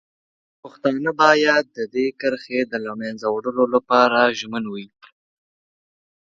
پښتانه باید د دې کرښې د له منځه وړلو لپاره ژمن وي.